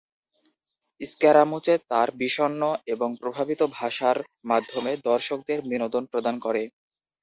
স্ক্যারামুচে তার "বিষণ্ণ এবং প্রভাবিত ভাষা"র মাধ্যমে দর্শকদের বিনোদন প্রদান করে।